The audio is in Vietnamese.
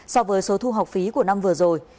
so với số thu học phí của năm vừa rồi